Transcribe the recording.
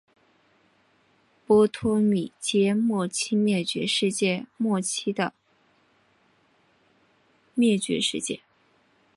波托米阶末期灭绝事件末期的灭绝事件。